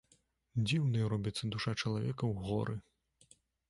Дзіўнай робіцца душа чалавека ў горы.